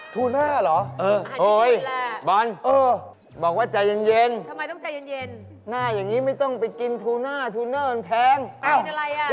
ซื้อขับบ้านบอกกับเจ๊บ้านเลยนะครับ